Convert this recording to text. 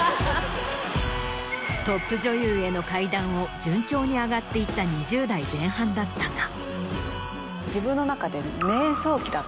トップ女優への階段を順調に上がっていった２０代前半だったが。